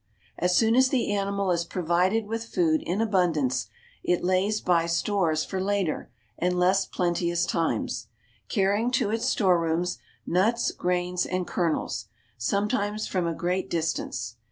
As soon as the animal is provided with food in abundance it lays by stores for later and less plenteous times, carrying to its storerooms nuts, grains and kernels, sometimes from a great distance.